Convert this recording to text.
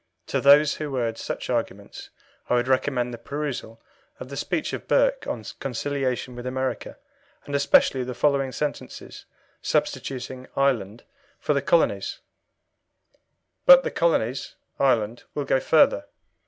To those who urge such arguments I would recommend the perusal of the speech of Burke on Conciliation with America, and especially the following sentences, substituting "Ireland" for "the colonies:" "But [the Colonies] Ireland will go further.